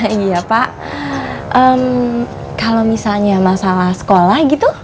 iya pak kalau misalnya masalah sekolah gitu